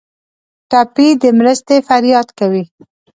ټپي د مرستې فریاد کوي.